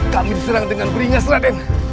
kami diserang dengan peringkah se peringkat